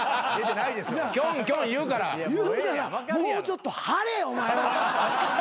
言うならもうちょっと張れお前は。